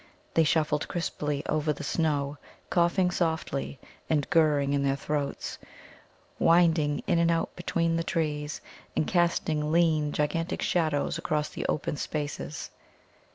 They shuffled crisply over the snow, coughing softly, and gurring in their throats, winding in and out between the trees, and casting lean, gigantic shadows across the open spaces.